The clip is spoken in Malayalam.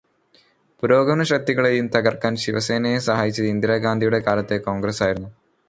പുരോഗമനശക്തികളെയും തകര്ക്കാന് ശിവസേനയെ സഹായിച്ചത് ഇന്ദിരാ ഗാന്ധിയുടെ കാലത്തെ കോണ്ഗ്രസ്സ് ആയിരുന്നു.